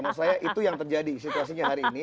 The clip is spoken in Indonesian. menurut saya itu yang terjadi situasinya hari ini